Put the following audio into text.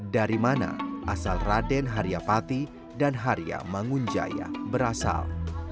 dari mana asal raden hariapati dan haria mangunjaya berasal